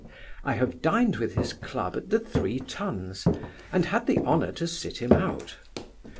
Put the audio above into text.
I have dined with his club at the Three Tuns, and had the honour to sit him out.